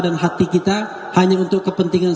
dan hati kita hanya untuk kepentingan